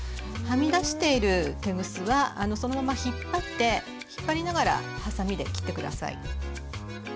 はみ出しているテグスはそのまま引っ張って引っ張りながらハサミで切って下さい。